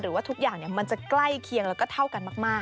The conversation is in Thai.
ว่าทุกอย่างมันจะใกล้เคียงแล้วก็เท่ากันมาก